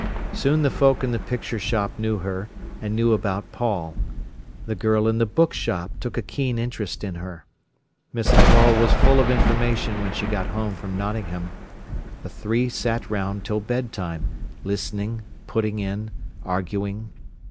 Soon the folk in the picture shop knew her, and knew about Paul. The girl in the book shop took a keen interest in her. Mrs. Morel was full of information when she got home from Nottingham. The three sat round till bed time, listening, putting in, arguing.